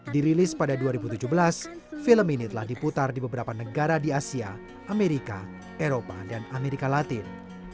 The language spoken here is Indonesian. dirilis pada dua ribu tujuh belas film ini telah diputar di beberapa negara di asia amerika eropa dan amerika latin